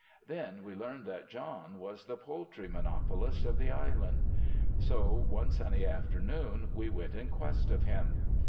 Then we learned that John was the poultry mo nopolist of the island. So one sunny afternoon we went in quest of him.